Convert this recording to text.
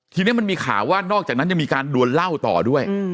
ทีนี้มันมีข่าวว่านอกจากนั้นยังมีการดวนเหล้าต่อด้วย